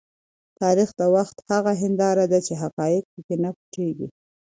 تاریخ د وخت هغه هنداره ده چې حقایق په کې نه پټیږي.